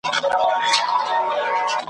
د پانوس تتي رڼا ته به شرنګی وي د پایلو !.